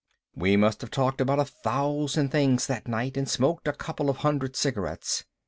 We must have talked about a thousand things that night and smoked a couple of hundred cigarettes.